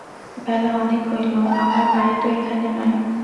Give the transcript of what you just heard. বেলা অনেক হইল, আমার বাড়ি তো এখানে নয়।